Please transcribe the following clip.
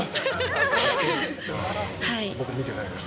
僕、まだ見てないです。